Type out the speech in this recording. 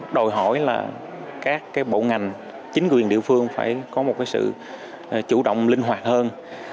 đòi hỏi là các cái bộ ngành chính quyền địa phương phải có một sự chủ động linh hoạt hơn